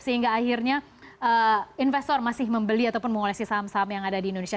sehingga akhirnya investor masih membeli ataupun mengoleksi saham saham yang ada di indonesia